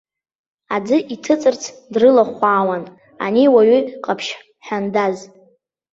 Аӡы иҭыҵырц дрылахәаауан, ани ауаҩы ҟаԥшь ҳәандаз.